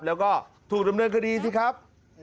แล้วก็ถูกดำเนินคดีสิครับ